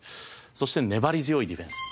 そして粘り強いディフェンス。